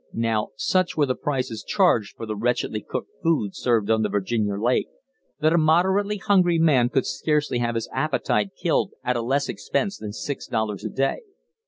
Now such were the prices charged for the wretchedly cooked food served on the Virginia Lake that a moderately hungry man could scarcely have his appetite killed at a less expense than six dollars a day.